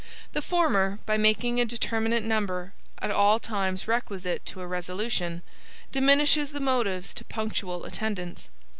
The former, by making a determinate number at all times requisite to a resolution, diminishes the motives to punctual attendance.